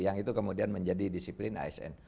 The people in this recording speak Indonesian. yang itu kemudian menjadi disiplin asn